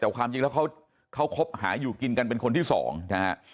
แต่ความจริงแล้วเขาคบหาอยู่กินกันเป็นคนที่สองนะฮะ